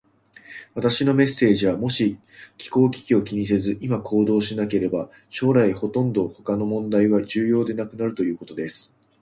私のメッセージは、もし気候危機を気にせず、今行動しなければ、将来ほとんど他の問題は重要ではなくなるということです。